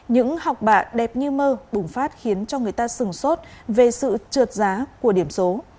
những học bạ đẹp như mơ bùng phát khiến cho người ta sửng sốt về sự trượt giá của điểm số